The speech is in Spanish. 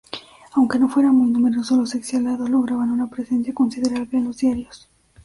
Aunque no fueran muy numerosos, los exiliados lograban una presencia considerable en los diarios.